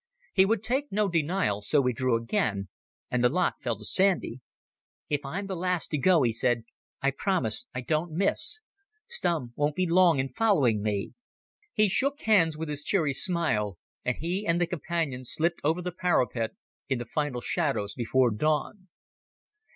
He would take no denial, so we drew again, and the lot fell to Sandy. "If I'm the last to go," he said, "I promise I don't miss. Stumm won't be long in following me." He shook hands with his cheery smile, and he and the Companion slipped over the parapet in the final shadows before dawn.